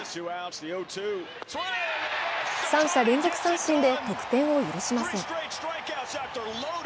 三者連続三振で得点を許しません。